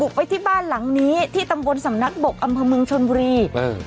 ไปที่บ้านหลังนี้ที่ตำบลสำนักบกอำเภอเมืองชนบุรีเออ